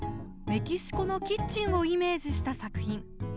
メキシコのキッチンをイメージした作品。